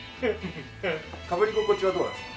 かぶり心地はどうなんですか？